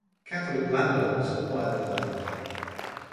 Catholic landowners acquired the land.